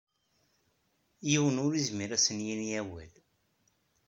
Yiwen ur izmir ad as-yini awal.